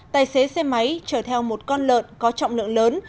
tài xế xe máy chở theo một con lợn có trọng lượng lớn